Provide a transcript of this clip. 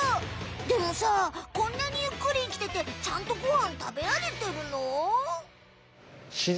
でもさこんなにゆっくり生きててちゃんとごはん食べられてるの？